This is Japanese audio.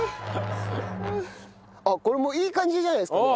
あっこれもういい感じじゃないですかね？